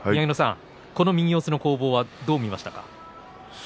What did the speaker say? この右四つの攻防はどう見ましたか？